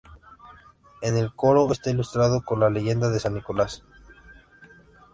En el coro está ilustrado con la leyenda de San Nicolás.